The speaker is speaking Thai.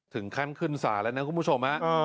ถึงขั้นขึ้นศาลแล้วนะคุณผู้ชม